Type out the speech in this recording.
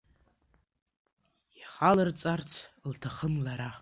Ихалырҵарц лҭахын лара.